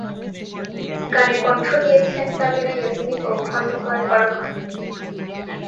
গানে কণ্ঠ দিয়েছেন সাবিনা ইয়াসমিন ও খন্দকার ফারুক আহমেদ।